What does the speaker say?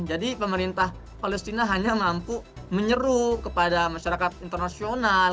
jadi pemerintah palestina hanya mampu menyeru kepada masyarakat internasional